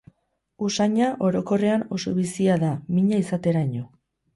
Usaina orokorrean oso bizia da, mina izateraino.